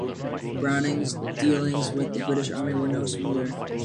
Browning's dealings with the British Army were no smoother.